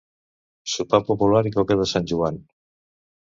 Sopar popular i coca de Sant Joan.